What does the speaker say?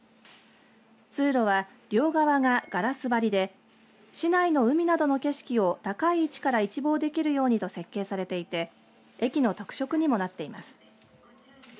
通路は両側がガラス張りで市内の海などの景色を高い位置から一望できるようにと設計されていて駅の特色にもなっています。